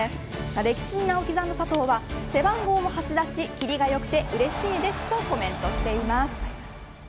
歴史に名を刻んだ佐藤は背番号も８だしキリが良くてうれしいですとコメントしています。